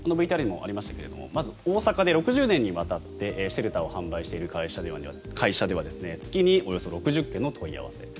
ＶＴＲにもありましたがまず大阪で６０年にわたってシェルターを販売している会社では月におよそ６０件の問い合わせ。